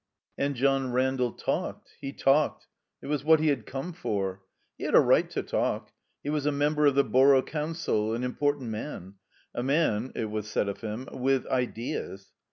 And John Randall tsdked; he talked; it was what he had come for. He had a right to talk. He was a member of the Borough Council, an important man, a man (it was said of him) with ''ideas."